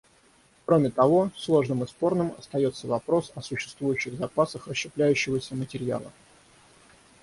Кроме того, сложным и спорным остается вопрос о существующих запасах расщепляющегося материала.